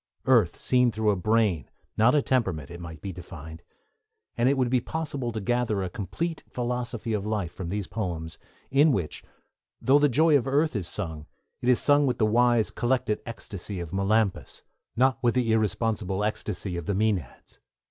Earth seen through a brain, not a temperament, it might be defined; and it would be possible to gather a complete philosophy of life from these poems, in which, though 'the joy of earth' is sung, it is sung with the wise, collected ecstasy of Melampus, not with the irresponsible ecstasy of the Mænads.